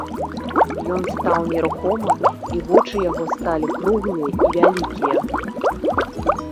Ён стаў нерухома, і вочы яго сталі круглыя і вялікія.